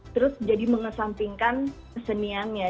terus jadi mengesampingkan keseniannya